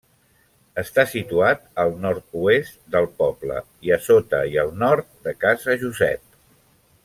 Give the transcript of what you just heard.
Està situat al nord-oest del poble, a sota i al nord de Casa Josep.